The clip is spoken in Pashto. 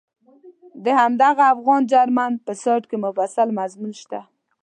د همدغه افغان جرمن په سایټ کې مفصل مضمون شته.